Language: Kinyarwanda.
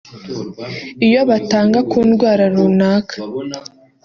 iyo batanga ku ndwara runaka